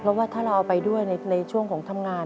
เพราะว่าถ้าเราเอาไปด้วยในช่วงของทำงาน